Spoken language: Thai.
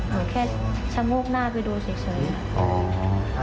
หนูแค่ชะโงกหน้าไปดูเฉย